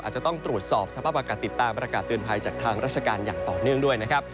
อาจจะต้องตรวจสอบสภาพอากาศติดตามประกาศเตือนภัยจากทางราชการอย่างต่อเนื่องด้วยนะครับ